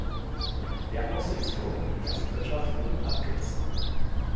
Der Aussichtsturm und die Gastwirtschaft wurden abgerissen.